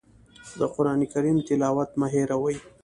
د قرآن کریم تلاوت مه هېروئ.